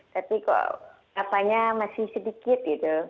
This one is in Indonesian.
tapi kok apanya masih sedikit gitu